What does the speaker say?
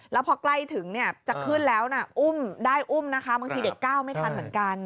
แล้วพอใกล้ถึงเนี่ยจะขึ้นแล้วนะอุ้มได้อุ้มนะคะบางทีเด็กก้าวไม่ทันเหมือนกัน